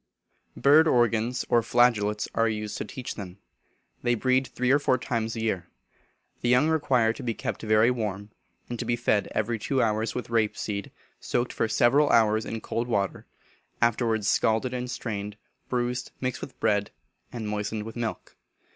Bird organs, or flageolets, are used to teach them. They breed three or four times a year. The young require to be kept very warm, and to be fed every two hours with rape seed, soaked for several hours in cold water, afterwards scalded and strained, bruised, mixed with bread, and moistened with milk.